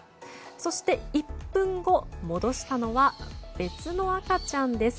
そして、１分後戻したのは、別の赤ちゃんです。